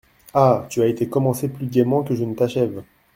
Ah ! tu as été commencée plus gaiement que je ne t’achève.